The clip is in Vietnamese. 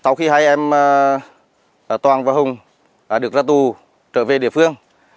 sau khi hai em toàn và hùng được ra tù trở về địa phương